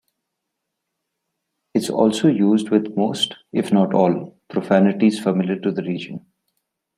It's also used with most, if not all, profanities familiar to the region.